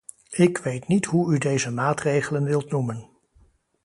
Ik weet niet hoe u deze maatregelen wilt noemen.